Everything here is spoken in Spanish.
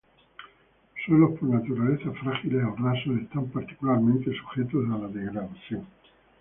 Suelos por naturaleza frágiles o rasos están particularmente sujetos a la degradación.